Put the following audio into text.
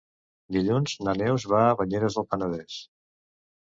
Dilluns na Neus va a Banyeres del Penedès.